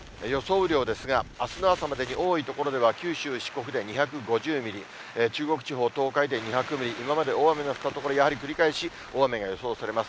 雨量ですが、あすの朝までに多い所では九州、四国で２５０ミリ、中国地方、東海で２００ミリ、今まで大雨が降った所、やはり繰り返し大雨が予想されます。